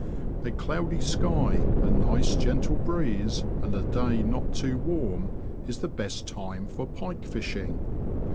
A cloudy sky, a nice gentle breeze, and a day not too warm, is the best time for pike fishing.